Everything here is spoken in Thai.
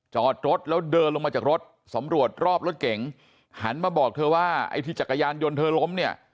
จอดรถแล้วเดินลงมาจากรถสำรวจรอบรถเก๋งหันมาบอกเธอว่าไอ้ที่จักรยานยนต์เธอล้มเนี่ย